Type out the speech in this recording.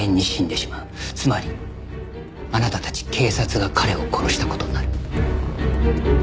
つまりあなたたち警察が彼を殺した事になる。